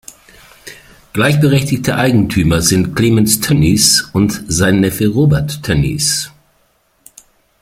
Gleichberechtigte Eigentümer sind Clemens Tönnies und sein Neffe Robert Tönnies.